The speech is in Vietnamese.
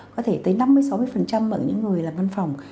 có thể tới năm mươi sáu mươi ở những người làm văn phòng